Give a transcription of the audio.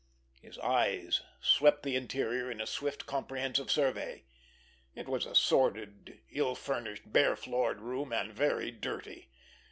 His eyes swept the interior in a swift, comprehensive survey. It was a sordid, ill furnished, bare floored room, and very dirty.